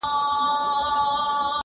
زه اوس سبا ته فکر کوم!.